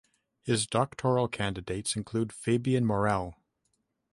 His doctoral candidates include Fabien Morel.